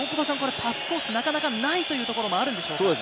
パスコース、なかなかないというところもあるでしょうか。